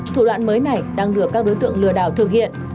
thủ đoạn mới này đang được các đối tượng lừa đảo thực hiện